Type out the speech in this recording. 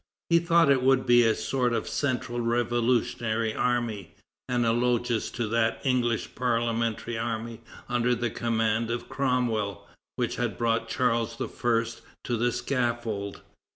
He thought it would be a sort of central revolutionary army, analogous to that English parliamentary army under command of Cromwell, which had brought Charles I. to the scaffold.